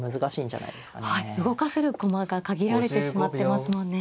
動かせる駒が限られてしまってますもんね。